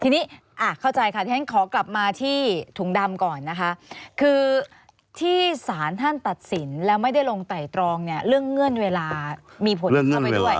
ทีนี้เข้าใจค่ะที่ฉันขอกลับมาที่ถุงดำก่อนนะคะคือที่สารท่านตัดสินแล้วไม่ได้ลงไต่ตรองเนี่ยเรื่องเงื่อนเวลามีผลเข้าไปด้วย